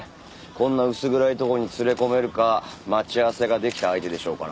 こんな薄暗いとこに連れ込めるか待ち合わせができた相手でしょうから。